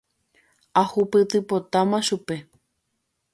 Ahupytypotáma chupe.